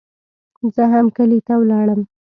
زه هم کلي ته ولاړم.